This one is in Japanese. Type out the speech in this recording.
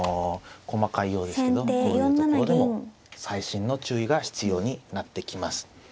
細かいようですけどこういうところでも細心の注意が必要になってきます。